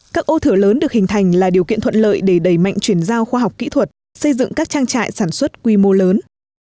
các ô thửa lớn được hình thành là điều kiện thuận lợi để đẩy mạnh chuyển giao khoa học kỹ thuật xây dựng các trang trại sản xuất quy mô lớn